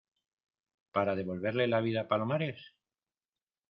para devolverle la vida a Palomares?